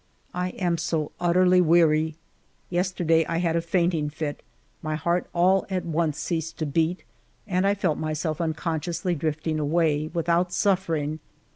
I am so utterly weary ! Yesterday I had a fainting fit ; my heart all at once ceased to beat, and I felt myself unconsciously drifting away, without suf fering.